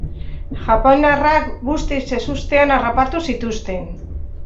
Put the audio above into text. Japoniarrak guztiz ezustean harrapatu zituzten.